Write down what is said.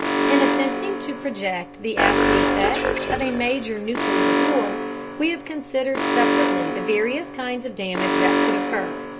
In attempting to project the after effects of a major nuclear war, we have considered separately the various kinds of damage that could occur.